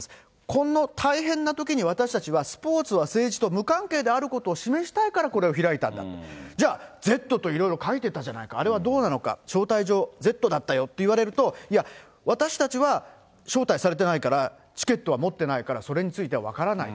この大変なときに私たちはスポーツは政治と無関係であることを示したいから、これを開いたんだと、じゃあ、Ｚといろいろ書いてたじゃないか、あれはどうなのか、招待状、Ｚだったよって言われると、いや、私たちは招待されてないからチケットは持っていないから、それについては分からない。